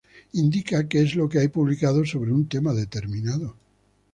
Indica que es lo que hay publicado sobre un tema determinado.